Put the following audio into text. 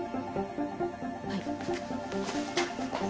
はい。